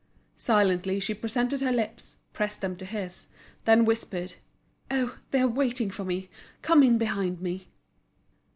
Silently she presented her lips, pressed them to his, then whispered: "Oh, they're waiting for me. Come in behind me."